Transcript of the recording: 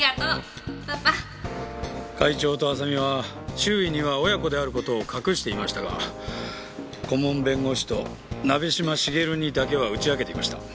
会長と亜沙美は周囲には親子である事を隠していましたが顧問弁護士と鍋島茂にだけは打ち明けていました。